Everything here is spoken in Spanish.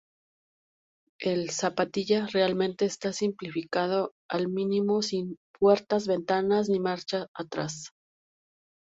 El "Zapatilla" realmente estaba simplificado al mínimo, sin puertas, ventanas ni marcha atrás.